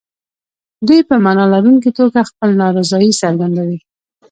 دوی په معنا لرونکي توګه خپله نارضايي څرګندوي.